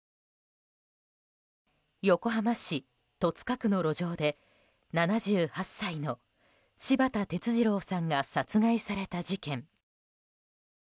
横浜市戸塚区の路上で７８歳の柴田哲二郎さんが殺害された事件。